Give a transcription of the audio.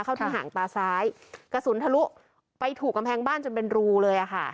เข้าที่หางตาซ้ายกระสุนทะลุไปถูกกำแพงบ้านจนเป็นรูเลยอ่ะค่ะ